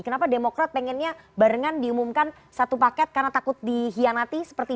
kenapa demokrat pengennya barengan diumumkan satu paket karena takut dihianati seperti dua ribu sembilan belas